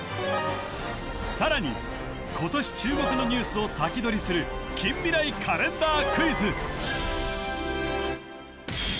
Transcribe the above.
さらに今年注目のニュースを先取りする近未来カレンダー